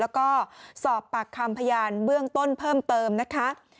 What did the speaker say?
แล้วก็สอบปากคำพยานเบื้องต้นเพิ่มเติมนะคะ